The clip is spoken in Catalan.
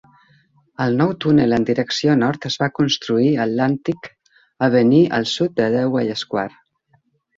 El nou túnel en direcció nord es va construir a Atlantic Avenue al sud de Dewey Square.